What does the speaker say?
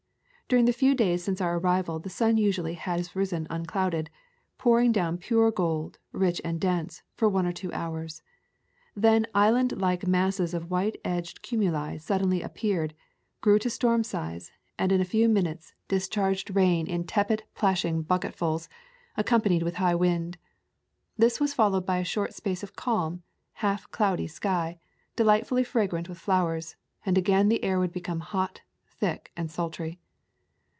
During the few days since our arrival the sun usually has risen unclouded, . pouring down pure gold, rich and dense, for one or two hours. Then islandlike masses of white edged cumuli suddenly appeared, grew to storm size, and in a few minutes discharged [ 150 ] Al Sojourn in Cuba rain in tepid plashing bucketfuls, accompanied with high wind. This was followed by a short space of calm, half cloudy sky, delightfully fragrant with flowers, and again the air would become hot, thick, and sultry.